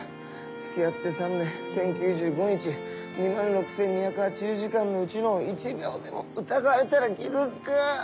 付き合って３年１０９５日２万６２８０時間のうちの１秒でも疑われたら傷つく！